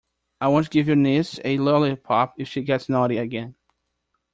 I won't give your niece a lollipop if she gets naughty again.